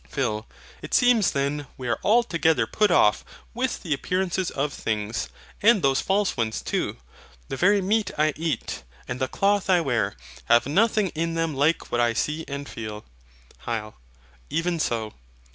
PHIL. It seems, then, we are altogether put off with the appearances of things, and those false ones too. The very meat I eat, and the cloth I wear, have nothing in them like what I see and feel. HYL. Even so.